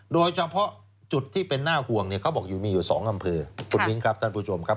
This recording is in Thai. โดยเฉพาะจุดที่เป็นน่าห่วงเนี่ยเขาบอกอยู่มีอยู่๒อำเภอคุณมิ้นครับท่านผู้ชมครับ